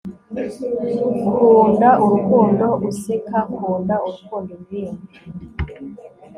Kunda urukundo useka Kunda urukundo uririmbe